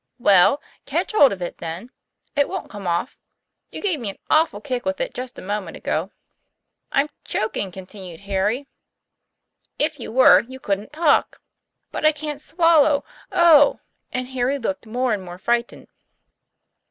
"Well, catch hold of it, then; it won't come off. You gave me an awful kick with it just a moment ago." "I'm choking," continued Harry. " If you were, you couldn't talk." "But I can't swallow. Oh! " And Harry looked more and more frightened.